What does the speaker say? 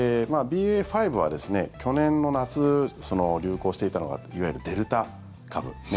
ＢＡ．５は去年の夏、流行していたのがいわゆるデルタ株。